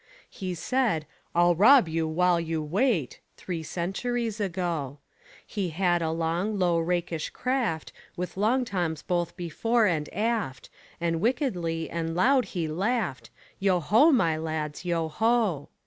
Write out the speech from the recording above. He said: "I'll rob you while you wait" Three centuries ago. He had a long, low, rakish craft With Long Toms both before and aft, And wickedly and loud he laughed, Yo ho, my lads, yo ho!